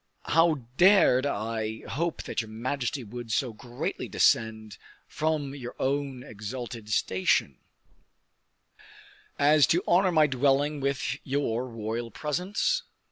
"How dared I hope that your majesty would so greatly descend from your own exalted station as to honor my dwelling with your royal presence?"